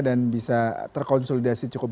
dan bisa terkonsolidasi cukup